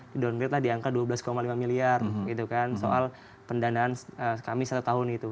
di downgrade lah di angka dua belas lima miliar gitu kan soal pendanaan kami satu tahun itu